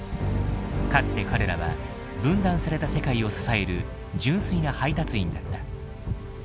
かつて彼らは分断された世界を支える純粋な配達員だった。